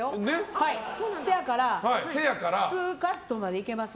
せやから２カットまでいけます？